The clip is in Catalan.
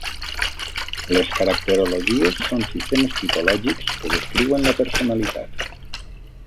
Les caracterologies són sistemes tipològics que descriuen la personalitat.